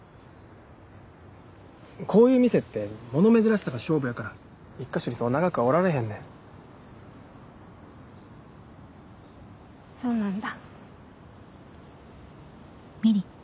こういう店って物珍しさが勝負やから１か所にそう長くはおられへんねんそうなんだ